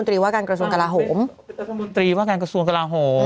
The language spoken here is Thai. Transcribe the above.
แต่แหลมมรัฐมนตรีว่าการกระทรวงกระโหม